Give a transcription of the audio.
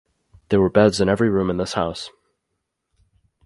There were beds in every room in this house.